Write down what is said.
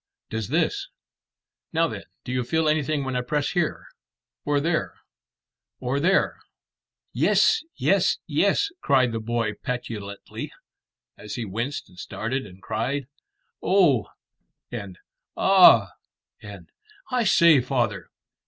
Does this? Now then, do you feel anything when I press here or there or there?" "Yes yes yes!" cried the boy petulantly, as he winced and started and cried "Oh!" and "Ah!" and "I say, father!"